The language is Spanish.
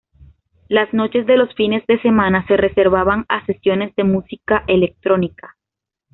Las noches de los fines de semana se reservaban a sesiones de música electrónica.